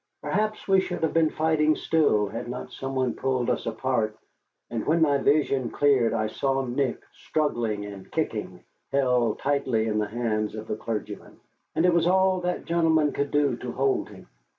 Perhaps we should have been fighting still had not some one pulled us apart, and when my vision cleared I saw Nick, struggling and kicking, held tightly in the hands of the clergyman. And it was all that gentleman could do to hold him.